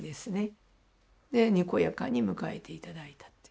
でにこやかに迎えて頂いたと。